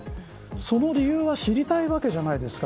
その理由が知りたいわけじゃないですか。